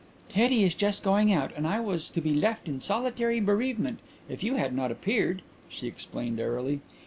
"Teddy is just going out and I was to be left in solitary bereavement if you had not appeared," she explained airily.